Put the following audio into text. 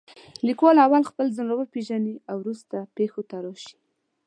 لیکوال اول خپله ځان را وپېژنې او وروسته پېښو ته راشي.